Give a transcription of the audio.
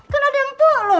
kan ada yang tua loh